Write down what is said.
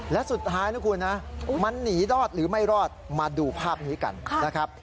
และสุดท้ายนะคุณนะมันหนีรอดหรือไม่รอดมาดูภาพนี้กันนะครับ